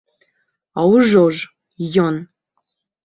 А ўжо ж, ён.